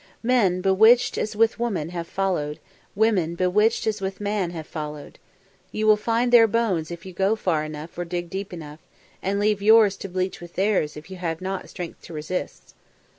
Men bewitched as with woman have followed; women bewitched as with man have followed. You will find their bones if you go far enough or dig deep enough; and leave yours to bleach with theirs if you have not strength to resist.